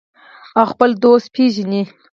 او خپل دوست پیژني.